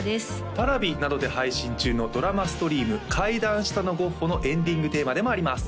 Ｐａｒａｖｉなどで配信中のドラマストリーム「階段下のゴッホ」のエンディングテーマでもあります